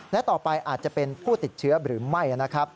และต่อไปอาจจะเป็นผู้ติดเชื้อหรือไม่นะครับ